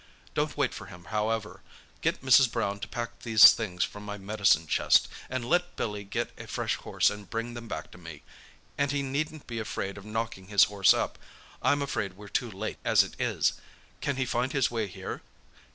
"Don't wait for him, however; get Mrs. Brown to pack these things from my medicine chest, and let Billy get a fresh horse and bring them back to me, and he needn't be afraid of knocking his horse up. I'm afraid we're too late as it is. Can he find his way here?"